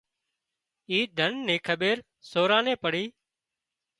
اي ڌن نِي کٻيرسوران نين پڙي